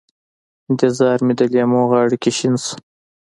انتظار مې د لېمو غاړو کې شین شو